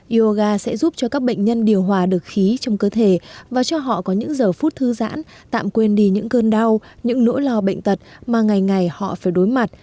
yoga sẽ giúp cho các bệnh nhân điều hòa được khí trong cơ thể và cho họ có những giờ phút thư giãn tạm quên đi những cơn đau những nỗi lo bệnh tật mà ngày ngày họ phải đối mặt